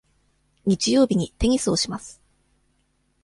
日曜日にテニスをします。